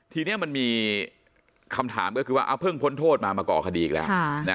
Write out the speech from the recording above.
ทีนี้มันมีคำถามก็คือว่าเพิ่งพ้นโทษมาก่อคดีอีกแล้ว